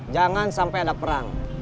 jangan sampai ada perang